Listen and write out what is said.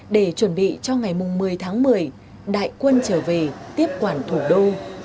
để chuẩn bị cho ngày một mươi tháng một mươi đại quân trở về tiếp quản thủ đô